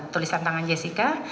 tulisan tangan jessica